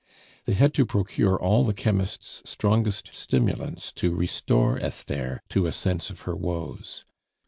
They had to procure all the chemist's strongest stimulants to restore Esther to a sense of her woes.